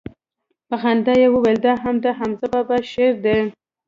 په خندا يې وويل دا هم دحمزه بابا شعر دىه.